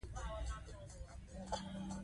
آیا شرقي ملت بری وموند؟